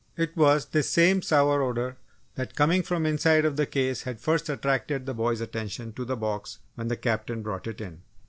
It was this same sour odour that, coming from the inside of the case had first attracted the boys' attention to the box when the Captain brought it in.